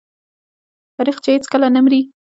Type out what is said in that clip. تاریخ چې هیڅکله نه مري.